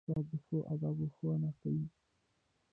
استاد د ښو آدابو ښوونه کوي.